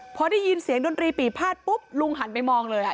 พอได้ยินเสียงดนตรีปีภาษปุ๊บลุงหันไปมองเลย